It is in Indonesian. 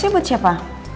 ini buat siapa